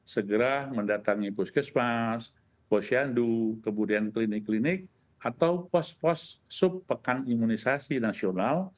segera mendatangi puskesmas posyandu kemudian klinik klinik atau pos pos subpekan imunisasi nasional